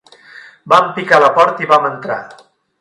Vam picar a la porta i vam entrar.